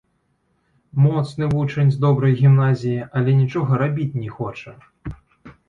Моцны вучань з добрай гімназіі, але нічога рабіць не хоча.